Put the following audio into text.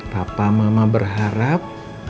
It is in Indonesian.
papa mama berharap